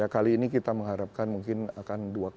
kali ini kita mengharapkan mungkin akan dua